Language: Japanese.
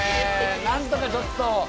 なんとかちょっと。